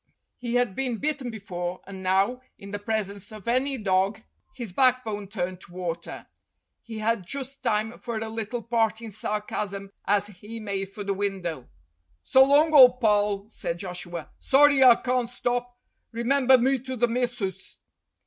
He had been bitten before, and now, in the presence of any dog, his backbone turned to water. He had just time for a little parting sarcasm as he made for the window. THE HERO AND THE BURGLAR 275 "So long, ole pal!" said Joshua. "Sorry I cawn't stop. Remember me to the missus."